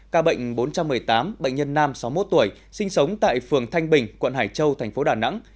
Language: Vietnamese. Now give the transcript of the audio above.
ca bệnh bốn trăm một mươi tám bệnh nhân nam sáu mươi một tuổi sinh sống tại phường thanh bình quận hải châu thành phố đà nẵng